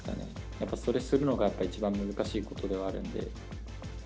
やっぱり、それをするのが一番難しいことではあるんで。